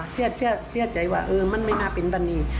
เชื่อใจว่ามันไม่น่าเป็นบ้านนี้